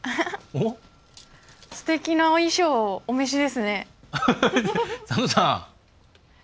すてきなお衣装をお召しですね。